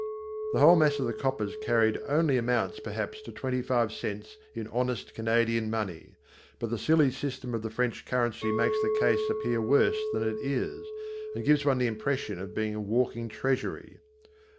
The whole mass of the coppers carried only amounts perhaps to twenty five cents in honest Canadian money. But the silly system of the French currency makes the case appear worse than it is, and gives one the impression of being a walking treasury.